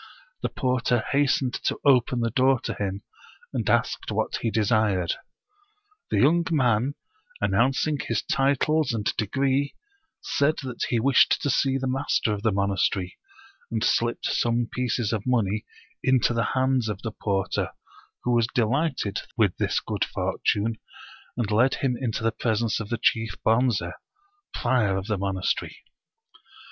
The porter hastened to open the door to him, and asked what he desired. The young man, announcing his titles 15 Oriental Mystery Stories and degree, said that he wished to see the master of the monastery, and slipped some pieces of money into the hands of the porter, who was delighted with this good fortune, and led him into the presence of the chief Bonze, prior of the monastery.